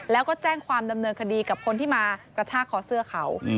แล้วก็แจ้งความดำเนินคดีกับคนที่มากระชากคอเสื้อเขา